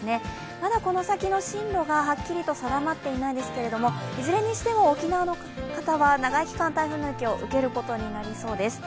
まだこの先の進路がはっきりと定まっていないんですけれどもいずれにしても沖縄の方は長い期間、台風の影響受けることになりそうです。